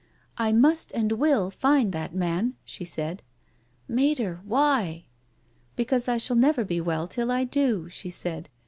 " I must and will find that man," she said. "Mater, why?" " Because I shall never be well till I do," she said.